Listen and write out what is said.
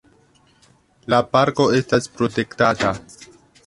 La parko estas protektata.